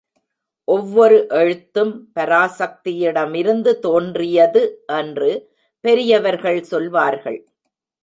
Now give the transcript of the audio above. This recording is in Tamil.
ஒவ்வொரு எழுத்தும் பராசக்தியிடமிருந்து தோன்றியது என்று பெரியவர்கள் சொல்வார்கள்.